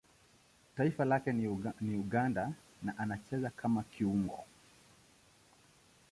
Taifa lake ni Uganda na anacheza kama kiungo.